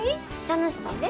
楽しいで。